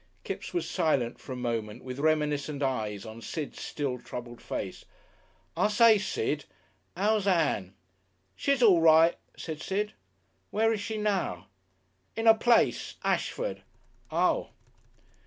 Kipps was silent for a moment with reminiscent eyes on Sid's still troubled face. "I say, Sid, 'ow's Ann?" "She's all right," said Sid. "Where is she now?" "In a place ... Ashford." "Oh!"